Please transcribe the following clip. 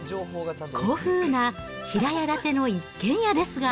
古風な平屋建ての一軒家ですが。